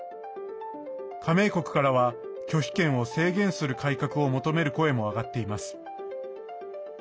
加盟国からは、拒否権を制限する改革を求める声も上がっています。